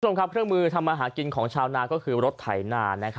คุณผู้ชมครับเครื่องมือทำมาหากินของชาวนาก็คือรถไถนา